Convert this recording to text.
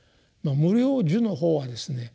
無量寿の方はですね